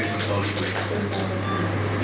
เสียชัยเอง